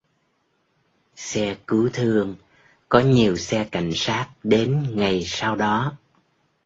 Xe cứu thương có nhiều xe cảnh sát đến ngày sau đó